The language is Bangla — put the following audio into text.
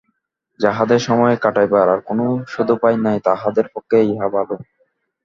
যাহাদের সময় কাটাইবার আর কোনো সদুপায় নাই, তাহাদের পক্ষেই ইহা ভালো।